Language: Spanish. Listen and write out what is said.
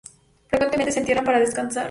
Frecuentemente se entierran para descansar.